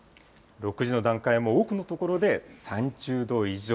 ６時の段階も多くの所で３０度以上。